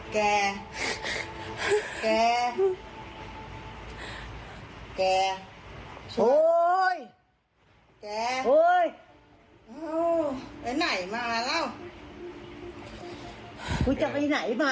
คุกมึงอย่าปล่อย